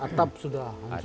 atap sudah hancur